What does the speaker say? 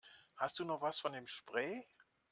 Hast du noch was von dem Spray?